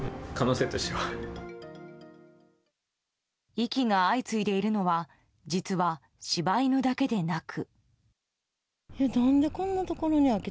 遺棄が相次いでいるのは実は柴犬だけでなく。